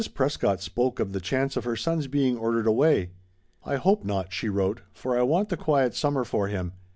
Prescott spoke of the chance of her son's being ordered away. "I hope not," she wrote, "for I want the quiet summer for him.